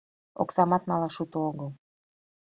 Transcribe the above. Оксамат налаш уто огыл...